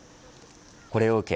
これを受け